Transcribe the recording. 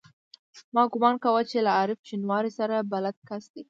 ما ګومان کاوه چې له عارف شینواري سره بلد کس دی.